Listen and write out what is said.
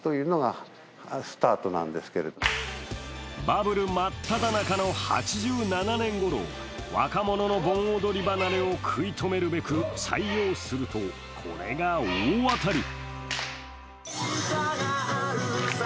バブル真っただ中の８７年ごろ、若者の盆踊り離れを食い止めるべく採用すると、これが大当たり。